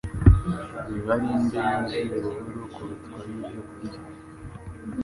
biba ari indyo yuzuye buhoro kurutwa n’ibyokurya